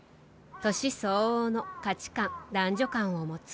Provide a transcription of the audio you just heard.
年相応の価値観、男女観を持つ。